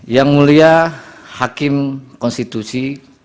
yang mulia hakim konstitusi